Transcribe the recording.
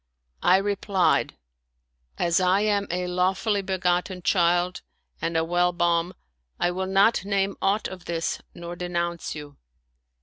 I replied, " As I am a law fully begotten child and a well born, I will not name aught of this nor denounce you